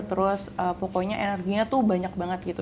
terus pokoknya energinya tuh banyak banget gitu